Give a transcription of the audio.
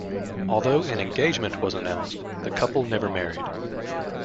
Although an engagement was announced, the couple never married.